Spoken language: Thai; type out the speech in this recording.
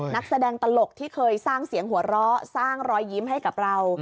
นักแสดงตลกที่เคยสร้างเสียงหัวเราะสร้างรอยยิ้มให้กับเรา